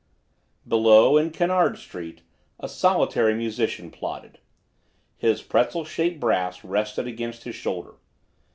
Below, in Kennard Street, a solitary musician plodded. His pretzel shaped brass rested against his shoulder.